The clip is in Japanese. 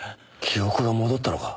記憶が戻ったのか？